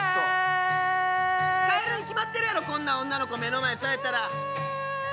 帰るに決まってるやろこんなん女の子目の前されたら！